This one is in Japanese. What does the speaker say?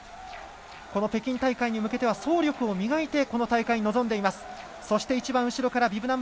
北京大会に向けては総力を磨いて大会に臨んでいます。